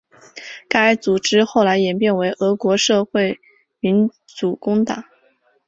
该组织后来演变为俄国社会民主工党。